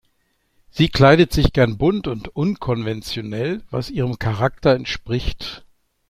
Sie kleidet sich gerne bunt und unkonventionell, was ihrem Charakter entspricht.